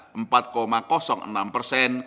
ke tingkat empat enam